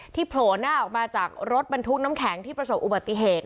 โผล่หน้าออกมาจากรถบรรทุกน้ำแข็งที่ประสบอุบัติเหตุ